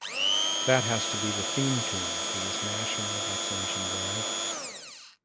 That has to be the theme tune for this national vaccination drive.